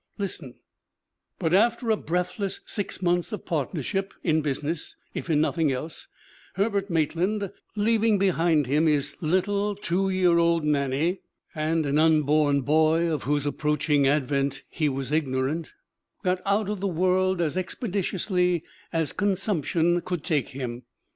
Listen : "But after a breathless six months of partnership in business, if in nothing else Herbert Maitland, leav ing behind him his little two year old Nannie, and an unborn boy of whose approaching advent he was ig norant, got out of the world as expeditiously as con sumption could take him.